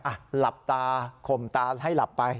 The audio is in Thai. หลับตาข่มตาให้หลับไป